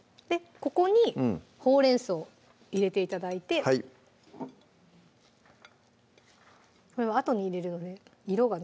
ここにほうれん草入れて頂いてこれはあとに入れるので色がね